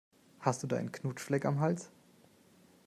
Hast du da einen Knutschfleck am Hals?